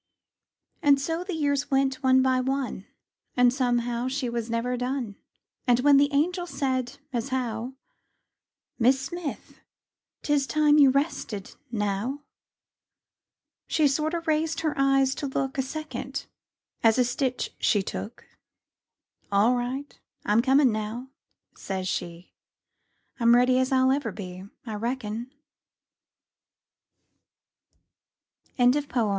And so the years went one by one. An' somehow she was never done; An' when the angel said, as how " Mis' Smith, it's time you rested now," She sorter raised her eyes to look A second, as a^ stitch she took; All right, I'm comin' now," says she, I'm ready as I'll ever be, I reckon," Albert Bigelow Paine.